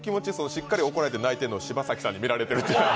しっかり怒られて泣いてるのを柴咲さんに見られてるの。